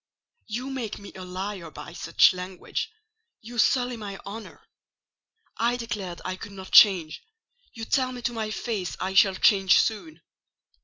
"You make me a liar by such language: you sully my honour. I declared I could not change: you tell me to my face I shall change soon.